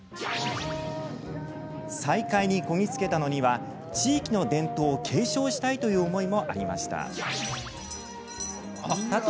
再開にこぎ着けたのには地域の伝統を継承したいという思いもありました。